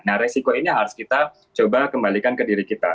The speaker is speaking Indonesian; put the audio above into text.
nah resiko ini yang harus kita coba kembalikan ke diri kita